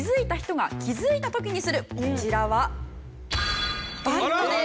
こちらはバッドです！